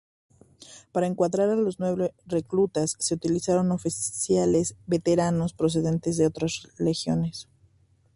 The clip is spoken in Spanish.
Para encuadrar a los nuevos reclutas, se utilizaron oficiales veteranos procedentes de otras legiones.